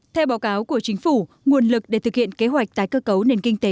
theo báo cáo của chính phủ nguồn lực để thực hiện kế hoạch tái cơ cấu nền kinh tế